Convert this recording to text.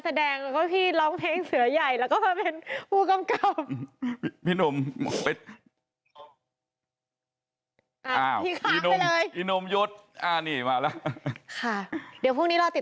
แสดงแล้วก็พี่ร้องเพลงเสือใหญ่แล้วก็มาเป็นผู้กำกับ